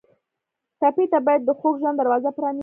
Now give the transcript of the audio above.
ټپي ته باید د خوږ ژوند دروازه پرانیزو.